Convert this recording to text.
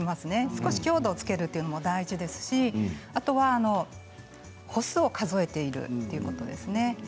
少し強度をつけるということも大事ですしあとは歩数を数えているということですね。